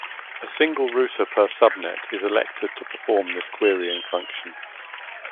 A single router per subnet is elected to perform this querying function.